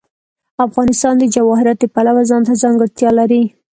افغانستان د جواهرات د پلوه ځانته ځانګړتیا لري.